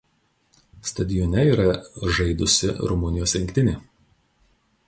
Stadione yra žaidusi Rumunijos rinktinė.